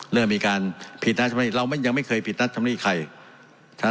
เริ่มมีการผิดทัศน์ชำระหนี้เรายังไม่เคยผิดทัศน์ชำระหนี้อีกใคร